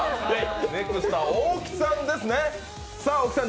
ネクストは大木さんですね。